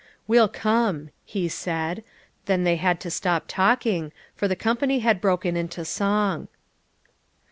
"We'll come," he said. Then they had to stop talking, for the company had broken into song.